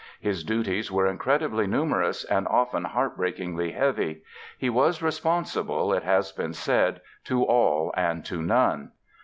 His duties were incredibly numerous and often heart breakingly heavy. He was responsible, it has been said, "to all and to none."